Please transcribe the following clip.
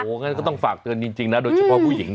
งั้นก็ต้องฝากเตือนจริงนะโดยเฉพาะผู้หญิง